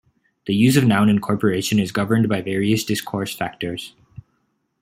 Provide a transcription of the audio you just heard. The use of noun incorporation is governed by various discourse factors.